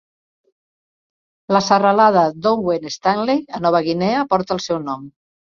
La serralada d'Owen Stanley a Nova Guinea porta el seu nom.